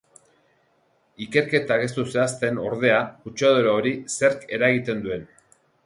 Ikerketak ez du zehazten, ordea, kutsadura hori zerk eragiten duen.